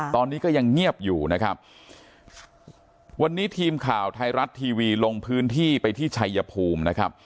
ตอนนี้ก็ยังเงียบอยู่นะครับวันนี้ทีมข่าวไทยรัฐทีวีลงพื้นที่ไปที่ชัยภูมินะครับ